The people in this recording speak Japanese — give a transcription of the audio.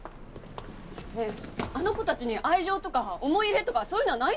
ねえあの子たちに愛情とか思い入れとかそういうのはないんですか？